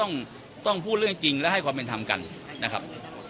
ต้องต้องพูดเรื่องจริงและให้ความเป็นธรรมกันนะครับ